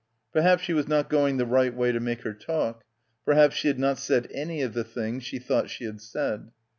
Perhaps she was not going the right way to make her talk. Perhaps she had not said any of the things she thought she had said.